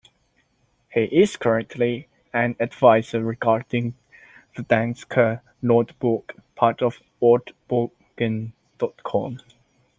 He is currently an advisor regarding the Danske Netordbog, part of Ordbogen dot com.